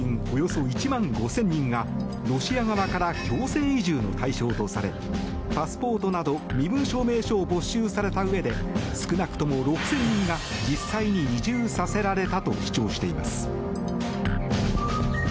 およそ１万５０００人がロシア側から強制移住の対象とされパスポートなど身分証明書を没収されたうえで少なくとも６０００人が実際に移住させられたと主張しています。